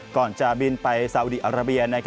ก่อนจะบินไปซาอุดีอาราเบีย